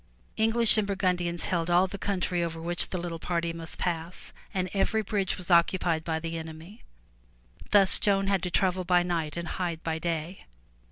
*' English and Burgundians held all the country over which the little party must pass and every bridge was occupied by the enemy. Thus Joan had to travel by night and hide by day.